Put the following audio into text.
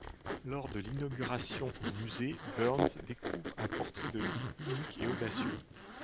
Lors de l'inauguration au musée, Burns découvre un portrait de lui unique et audacieux…